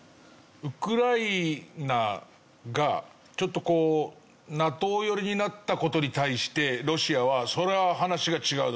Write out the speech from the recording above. ウクライナがちょっとこうＮＡＴＯ寄りになった事に対してロシアはそれは話が違うぞ。